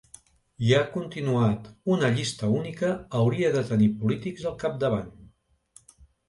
I ha continuat: ‘Una llista única hauria de tenir polítics al capdavant’.